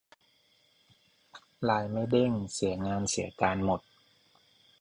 ไลน์ไม่เด้ง เสียงานเสียการหมด